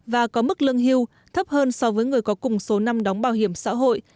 và có mức lương hưu thấp hơn so với người có cùng số năm đóng bảo hiểm xã hội